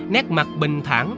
nét mặt bình thẳng